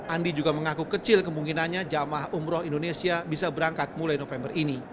andi juga mengaku kecil kemungkinannya jamaah umroh indonesia bisa berangkat mulai november ini